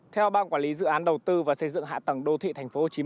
theo ban quản lý dự án đầu tư và xây dựng hạ tầng đô thị tp hcm